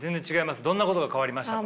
どんなことが変わりましたか？